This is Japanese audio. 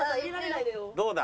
どうだ？